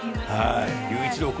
佑一郎君